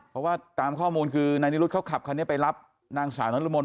เพราะว่าตามข้อมูลคือนายนิรุธเขาขับคันนี้ไปรับนางสาวนรมน